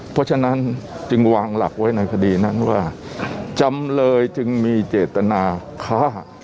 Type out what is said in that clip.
เพราะฉะนั้นจึงวางหลักไว้ในคดีนั้นว่าจำเลยจึงมีเจตนาฆ่า